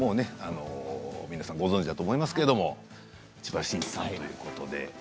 皆さんご存じだと思いますけれど千葉真一さんということで。